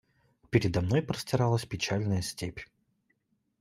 Передо мною простиралась печальная степь.